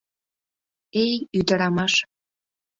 Эй, ӱдырамаш!